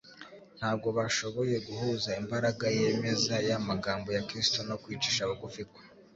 Ntabwo bashoboye guhuza imbaraga yemeza y'amagambo ya Kristo no kwicisha bugufi kwe;